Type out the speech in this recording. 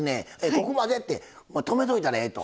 ここまでって止めといたらええと。